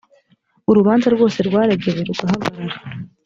urubanza rwose rwaregewe rugahagarara